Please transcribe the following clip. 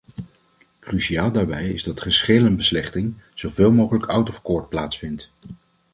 Cruciaal daarbij is dat geschillenbeslechting zoveel mogelijk out of court plaatsvindt.